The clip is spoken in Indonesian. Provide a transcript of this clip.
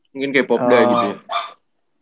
mungkin kayak popda gitu ya